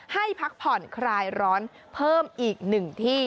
ให้พักผ่อนคลายร้อนเพิ่มอีกหนึ่งที่